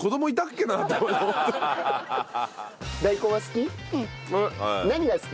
大根は好き？